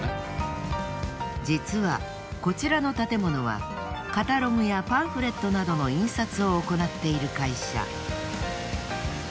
実はこちらの建物はカタログやパンフレットなどの印刷を行っている会社。